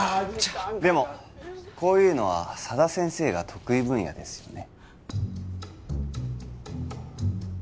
でもこういうのは佐田先生が得意分野ですよね